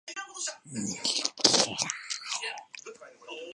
邂逅する毎に彼は車屋相当の気焔を吐く